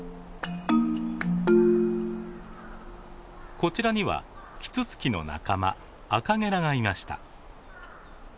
こちらにはキツツキの仲間アカゲラがいました。